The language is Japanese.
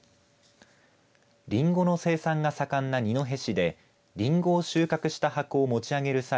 りんごの生産が盛んな二戸市でりんごを収穫した箱を持ち上げる際